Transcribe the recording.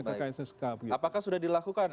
ke kssk apakah sudah dilakukan